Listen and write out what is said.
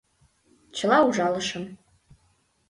Чыла ужалышым.